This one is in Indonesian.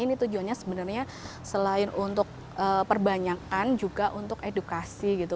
ini tujuannya sebenarnya selain untuk perbanyakan juga untuk edukasi gitu